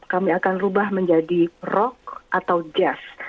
kami akan ubah menjadi rock atau jazz